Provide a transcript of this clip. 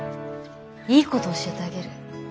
いいこと教えてあげる。